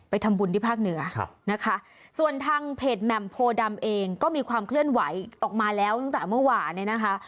ทำบุญที่ภาคเหนือนะคะส่วนทางเพจแหม่มโพดำเองก็มีความเคลื่อนไหวออกมาแล้วตั้งแต่เมื่อวานเนี่ยนะคะ